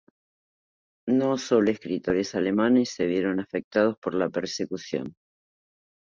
No sólo escritores alemanes se vieron afectados por la persecución.